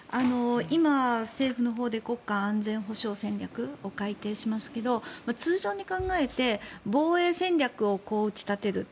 今、政府のほうで国家安全保障戦略を改定しますが、通常で考えて防衛戦略を打ち立てる。